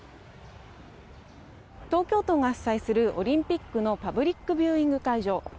東京都が主催するオリンピックのパブリックビューイング会場。